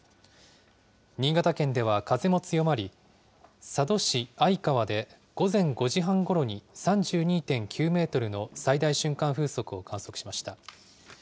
新潟県では風も強まり、佐渡市相川で午前５時半ごろに３２．９メートルの最大瞬間風速を観測しました。